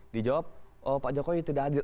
dijawab pak jokowi tidak hadir